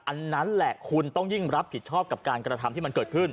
อันนั้นแหละคุณต้องยิ่งรับผิดชอบกับการกระทำที่มันเกิดขึ้น